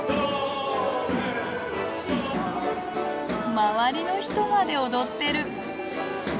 周りの人まで踊ってる。